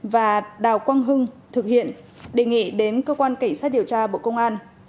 và đào quang hưng thực hiện đề nghị đến cơ quan cảnh sát điều tra bộ công an